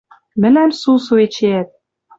Мӹлӓм сусу эчеӓт.